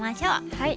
はい。